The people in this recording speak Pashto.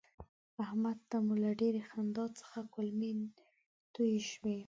احمد ته مو له ډېرې خندا څخه کولمې توی شوې.